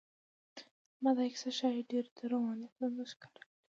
زما دا کیسه ښایي ډېرو ته رواني ستونزه ښکاره شي.